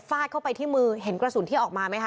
เข้าไปที่มือเห็นกระสุนที่ออกมาไหมคะ